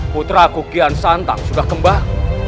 putraku kian santang sudah kembah